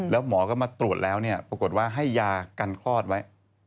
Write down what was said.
แล้วหมอก็มาตรวจแล้วปรากฏว่าให้ยากันคลอดไว้